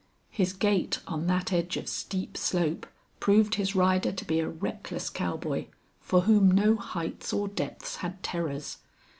His gait on that edge of steep slope proved his rider to be a reckless cowboy for whom no heights or depths had terrors.